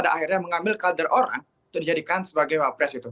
ketika mereka mengambil kader orang itu dijadikan sebagai wapres gitu